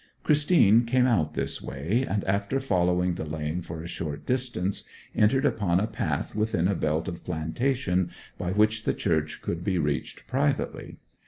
Christine came out this way, and after following the lane for a short distance entered upon a path within a belt of plantation, by which the church could be reached privately.